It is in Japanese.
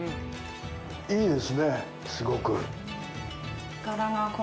いいですね、すごく。